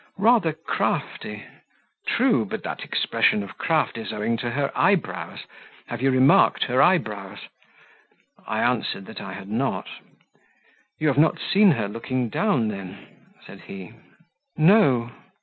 "Rather crafty." "True, but that expression of craft is owing to her eyebrows; have you remarked her eyebrows?" I answered that I had not. "You have not seen her looking down then?" said he. "No."